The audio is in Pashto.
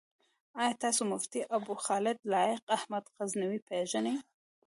آيا تاسو مفتي ابوخالد لائق احمد غزنوي پيژنئ؟